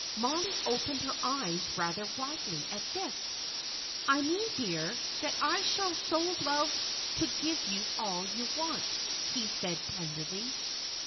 Mollie opened her eyes rather widely at this. "I mean, dear, that I shall so love to give you all you want," he said, tenderly.